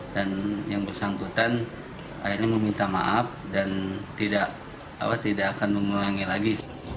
dan yang bersangkutan akhirnya meminta maaf dan tidak akan membuangnya lagi